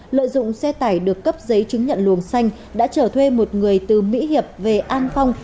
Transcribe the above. lợi dụng xe tải được cấp giấy chứng nhận luồng xanh đã trở thuê một người từ mỹ hiệp về an phong